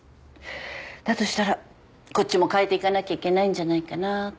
だとしたらこっちも変えていかなきゃいけないんじゃないかなって。